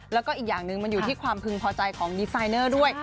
แล้วก็อีกอย่างหนึ่งมันอยู่ที่ความพึงพอใจของดีไซเนอร์ด้วย